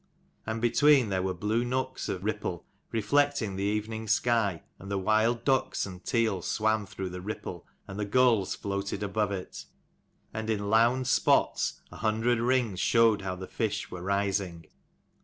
And between, there were blue nooks of ripple reflecting the evening sky, and the wild ducks and teal swam through the ripple, and the gulls floated above it : and in lound spots a hundred rings showed how the fish were rising.